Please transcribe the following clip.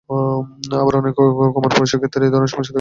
আবার অনেক কুমার পুরুষের ক্ষেত্রেও এ ধরনের সমস্যা দেখা দিতে পারে।